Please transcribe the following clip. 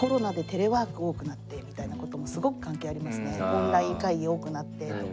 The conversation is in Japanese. オンライン会議多くなってとか。